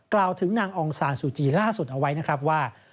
กล่าวถึงนางองศาลซูจีล่าสุดเอาไว้ว่า